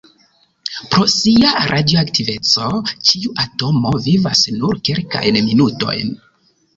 Pro sia radioaktiveco, ĉiu atomo vivas nur kelkajn minutojn.